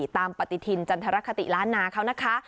ตามปฏิทินจันทรคติล้านนาเขานะคะ